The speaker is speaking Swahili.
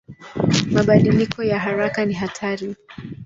Mabadiliko ya haraka ni hatari.